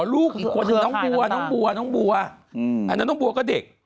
อ๋อลูกอีกคนน้องบัวน้องบัวน้องบัวก็เด็ก